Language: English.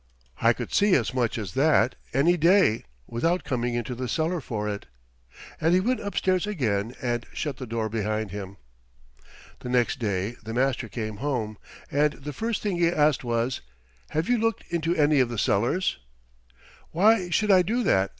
"I could see as much as that any day without coming into a cellar for it;" and he went upstairs again and shut the door behind him. The next day the master came home, and the first thing he asked was, "Have you looked into any of the cellars?" "Why should I do that?"